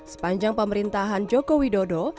sepanjang pemerintahan joko widodo